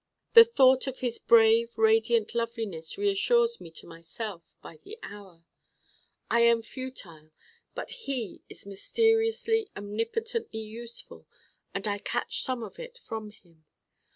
The thought of his brave radiant loveliness reassures me to myself, by the hour. I am futile: but he is mysteriously omnipotently useful and I catch some of it from him.